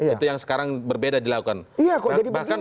itu yang sekarang berbeda dilakukan